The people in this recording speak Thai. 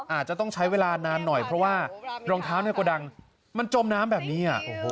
อาจจะต้องใช้เวลานานหน่อยเพราะว่ารองเท้าในกระดังมันจมน้ำแบบนี้